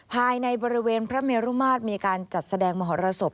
ภายในบริเวณพระเมรุมาตรมีการจัดแสดงมหรสบ